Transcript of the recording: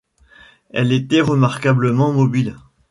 Elle était remarquablement mobile.